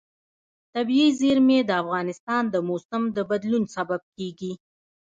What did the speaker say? طبیعي زیرمې د افغانستان د موسم د بدلون سبب کېږي.